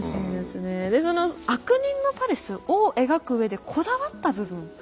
でその悪人のパレスを描く上でこだわった部分ありますか？